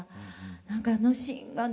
何かあのシーンがね